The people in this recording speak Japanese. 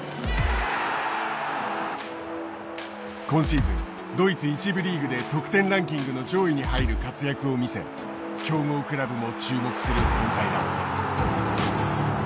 今シーズンドイツ１部リーグで得点ランキングの上位に入る活躍を見せ強豪クラブも注目する存在だ。